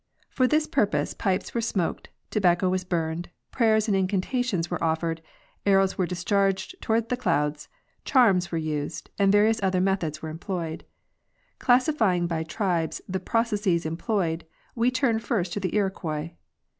For this purpose pipes were smoked, tobacco was burned, prayers and incantations were offered, arrows were discharged toward the clouds, charms were used, and various other methods were employed. Classifying by tribes the processes employed, we turn first to the Iroquois.